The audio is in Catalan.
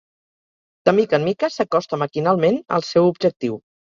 De mica en mica s'acosta maquinalment al seu objectiu.